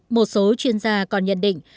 một số chuyên gia còn nhận định